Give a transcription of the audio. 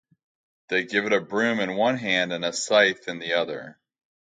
They give it a broom in one hand and a scythe in the other.